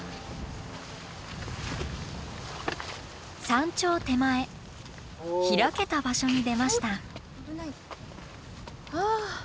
山頂手前開けた場所に出ました。